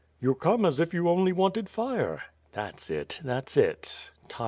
"You come as if you only wanted fire." "That's it; that's it.